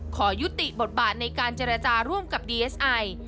ขอยุติบทบาทในการเจรจาร่วมกับดีเอสไอ